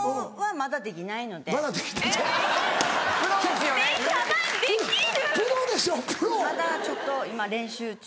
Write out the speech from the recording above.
まだちょっと今練習中？